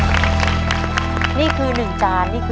ต้นไม้ประจำจังหวัดระยองการครับ